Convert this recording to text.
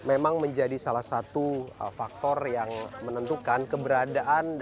memang menjadi salah satu faktor yang menentukan keberadaan